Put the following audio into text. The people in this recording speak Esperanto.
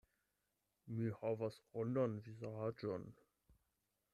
Vi havas rondan vizaĝon.